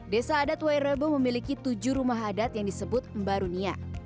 desa adat wairebo memiliki tujuh rumah adat yang disebut mbarunia